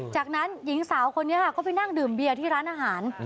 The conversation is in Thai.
จากนั้นหญิงสาวคนนี้ค่ะก็ไปนั่งดื่มเบียร์ที่ร้านอาหาร